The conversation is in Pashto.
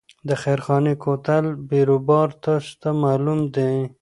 د خیرخانې کوتل بیروبار تاسو ته معلوم دی.